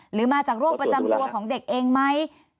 หรือมาจากโรคประจำตัวของเด็กเองไหม